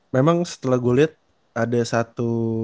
memang setelah gue liat